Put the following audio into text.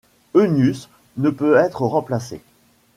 Eunius ne peut être remplacé.